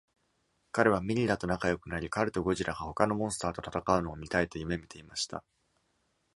彼はミニラと仲良くなり、彼とゴジラが他のモンスターと戦うのを見たいと夢見ていました。